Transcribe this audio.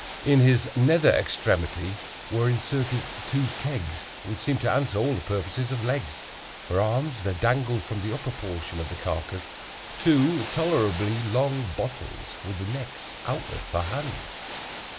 In its nether extremity were inserted two kegs, which seemed to answer all the purposes of legs. For arms there dangled from the upper portion of the carcass two tolerably long bottles, with the necks outward for hands.